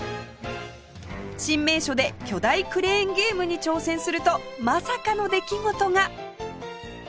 新名所で巨大クレーンゲームに挑戦するとまさかの出来事が！